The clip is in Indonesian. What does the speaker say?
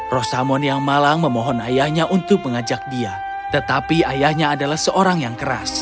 rosamon yang malang memohon ayahnya untuk mengajak dia tetapi ayahnya adalah seorang yang keras